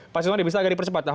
pak sulman bisa agak dipercepat